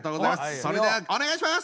それではお願いします！